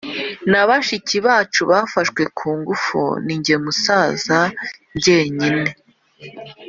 na bashiki bacu bafashwe ku ngufu Ni jye musaza jyenyine